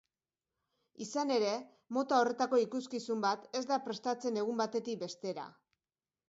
Izan ere, mota horretako ikuskizun bat ez da prestatzen egun batetik bestera.